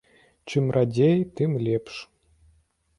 Чым радзей, тым лепш.